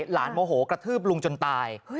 โมโหกระทืบลุงจนตาย